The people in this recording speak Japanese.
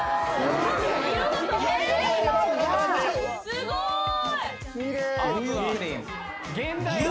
すごい！